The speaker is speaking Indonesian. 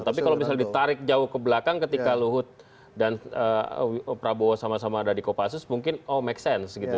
tapi kalau misalnya ditarik jauh ke belakang ketika luhut dan prabowo sama sama ada di kopassus mungkin oh make sense gitu